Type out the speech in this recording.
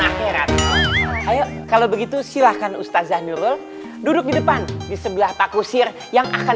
akhirat kalau begitu silakan ustaz zah nurul duduk di depan di sebelah pakusir yang akan